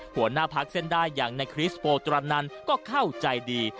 หัวหน้าพักเส้นได้อย่างในคริสโปตรันนันก็เข้าใจดี